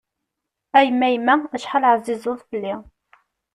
A yemma yemma, acḥal ɛzizeḍ fell-i.